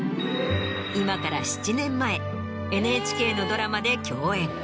今から７年前ＮＨＫのドラマで共演。